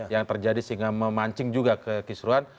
yang terjadi sehingga memancing juga ke kisruan